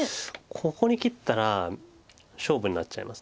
ここに切ったら勝負になっちゃいます。